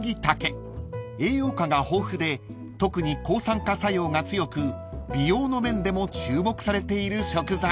［栄養価が豊富で特に抗酸化作用が強く美容の面でも注目されている食材］